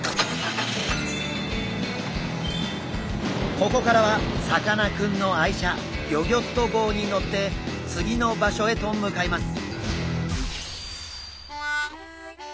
ここからはさかなクンの愛車ギョギョッと号に乗って次の場所へと向かいます。